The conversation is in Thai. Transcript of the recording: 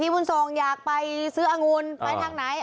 พี่บุญสงฆ์อยากไปซื้ออังุณไปทางไหน